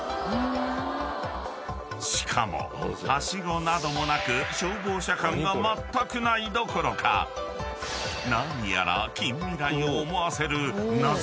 ［しかもはしごなどもなく消防車感がまったくないどころか何やら］